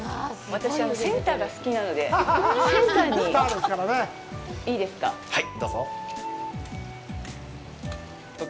私、センターが好きなのでセンターに、いいですか？